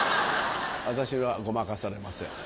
私はごまかされません。